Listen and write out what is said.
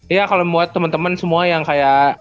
iya kalau buat temen temen semua yang kayak